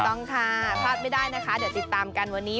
ต้องค่ะพลาดไม่ได้นะคะเดี๋ยวติดตามกันวันนี้